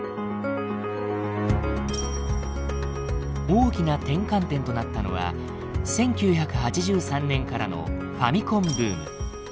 大きな転換点となったのは１９８３年からのファミコンブーム。